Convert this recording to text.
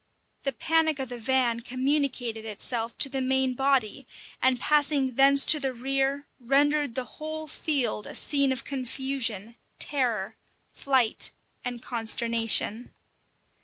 The panic of the van communicated itself to the main body, and passing thence to the rear, rendered the whole field a scene of confusion, terror, flight, and consternation.